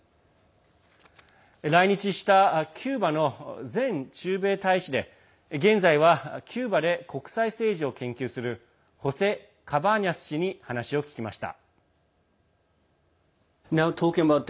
来日したキューバの前駐米大使で現在はキューバで国際政治を研究するホセ・カバーニャス氏に話を聞きました。